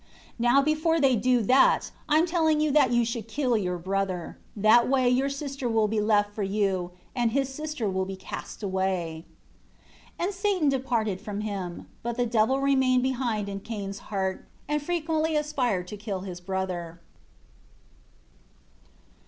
11 Now before they do that, I am telling you that you should kill your brother. That way your sister will be left for you, and his sister will be cast away." 12 And Satan departed from him. But the devil remained behind in Cain's heart, and frequently aspired to kill his brother.